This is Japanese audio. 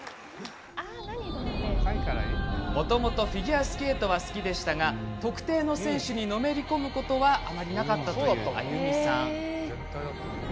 もともとフィギュアスケートは好きでしたが特定の選手に、のめり込むことはあまりなかったという亜由美さん。